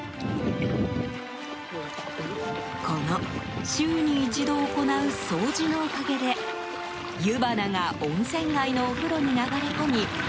この週に一度行う掃除のおかげで湯花が温泉街のお風呂に流れ込み